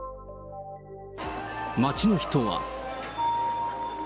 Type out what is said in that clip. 街の人は。